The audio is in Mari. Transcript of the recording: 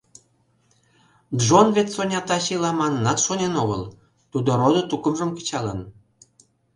Джон вет Соня таче ила манынат шонен огыл, тудо родо-тукымжым кычалын.